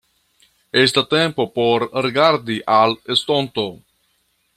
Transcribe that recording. Estas tempo por rigardi al estonto.